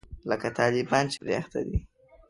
لکه طالبان چې پرې اخته دي.